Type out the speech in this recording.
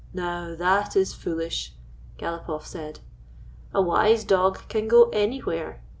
"Now, that is foolish," Galopoff said. "A wise dog can go anywhere.